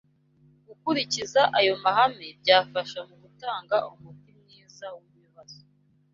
Gukurikiza ayo mahame byafasha mu gutanga umuti mwiza w’ibibazo